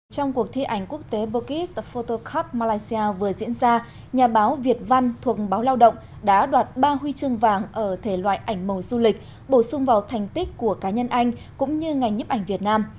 trong cuộc thi ảnh quốc tế burkis foto cup malaysia vừa diễn ra nhà báo việt văn thuộc báo lao động đã đoạt ba huy chương vàng ở thể loại ảnh màu du lịch bổ sung vào thành tích của cá nhân anh cũng như ngành nhiếp ảnh việt nam